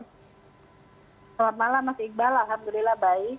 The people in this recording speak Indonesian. selamat malam mas iqbal alhamdulillah baik